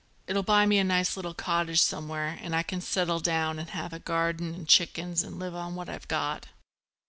It'll buy me a nice little cottage somewhere and I can settle down and have a garden and chickens and live on what I've got."